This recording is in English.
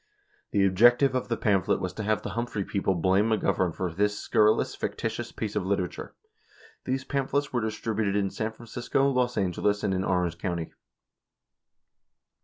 90 The objective of the pamphlet was to have the Humphrey people blame McGovern for this scurrilous and fictitious piece of literature. These pamphlets Avere distributed in San Francisco, Los Angeles, and in Orange County.